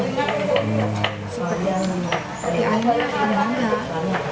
sebenarnya ini anaknya yang menangkap